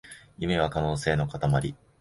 夢は可能性のかたまり